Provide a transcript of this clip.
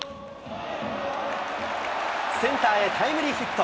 センターへタイムリーヒット。